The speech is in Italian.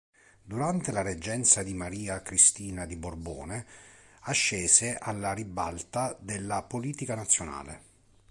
Durante la reggenza di Maria Cristina di Borbone ascese alla ribalta della politica nazionale.